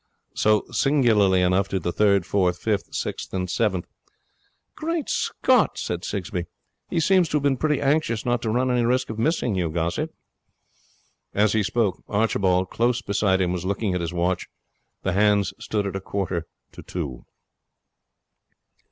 So, singularly enough, did the third, fourth, fifth, sixth, and seventh. 'Great Scott!' said Sigsbee. 'He seems to have been pretty anxious not to run any risk of missing you, Gossett.' As he spoke, Archibald, close beside him, was looking at his watch. The hands stood at a quarter to two.